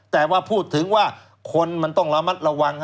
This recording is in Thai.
แต่ว่าพูดถึงว่าคนมันต้องระมัดระวัง